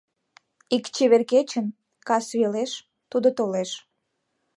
Ик чевер кечын, кас велеш, тудо толеш.